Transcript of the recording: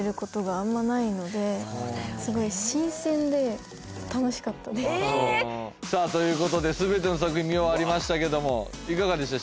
すごいえっ！？さあということで全ての作品見終わりましたけどもいかがでした？